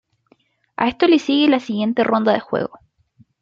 A esto le sigue la siguiente ronda de juego.